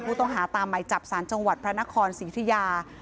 ผู้ต้องหาตามไหมจับสารจังหวัดพระนคร๔อายุทยา